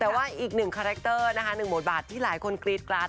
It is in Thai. แต่ว่าอีกหนึ่งคาแรคเตอร์นะคะหนึ่งบทบาทที่หลายคนกรี๊ดกราด